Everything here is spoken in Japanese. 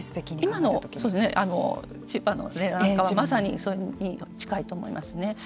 今の千葉のなんかはまさにそれに近いと思いますね。